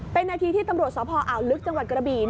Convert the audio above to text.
เป็นนาทีที่ตำรวจสพอ่าวลึกจังหวัดกระบี่